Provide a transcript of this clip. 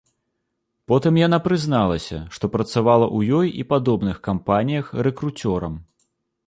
Потым яна прызналася, што працавала ў ёй і падобных кампаніях рэкруцёрам.